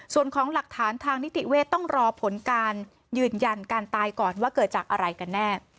ส่วนของหลักฐานทางนิติเวทย์ต้องรอผลการยืนยันการตายก่อนว่าเกิดจากอะไรกันแน่